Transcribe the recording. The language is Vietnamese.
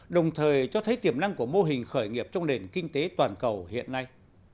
đồng thời cho thấy tiềm năng của mô hình khởi nghiệp trong nền kinh tế toàn cầu hiện nay